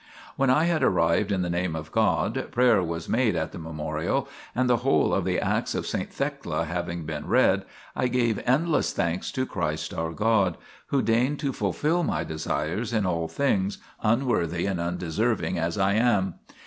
When I had arrived in the Name of God, prayer was made at the memorial, and the whole of the acts of saint Thecla having been read, I gave endless thanks to Christ our God, who deigned to fulfil my desires in all things, unworthy and unde serving as 1 am.